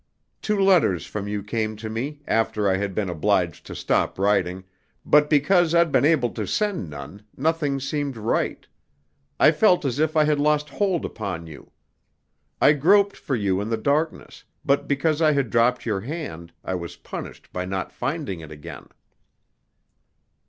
"Two letters from you came to me, after I had been obliged to stop writing, but because I'd been able to send none, nothing seemed right. I felt as if I had lost hold upon you. I groped for you in the darkness, but because I had dropped your hand, I was punished by not finding it again.